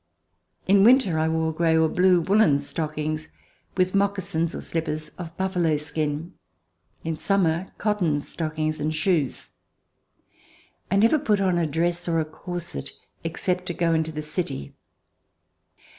In winter, I wore gray or blue woolen stockings, with moccasins or slippers of buffalo skin; in summer, cotton stockings, and shoes. I never put on a dress or a corset, except to go into the city.